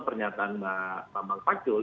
pernyataan mbak pambang pacul